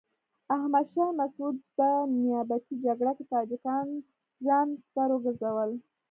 احمد شاه مسعود په نیابتي جګړه کې تاجکان ځان سپر وګرځول.